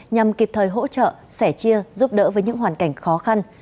nhằm kịp thời hỗ trợ sẻ chia giúp đỡ với những hoàn cảnh khó khăn